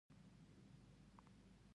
د هغه کالي ډیر خراب او زاړه وو.